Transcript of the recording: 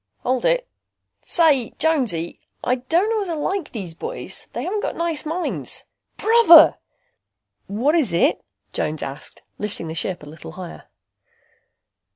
"Hold it. Say, Jonesy, I don't know as I like these boys. They haven't got nice minds. Brother!" "What is it?" Jones asked, lifting the ship a little higher.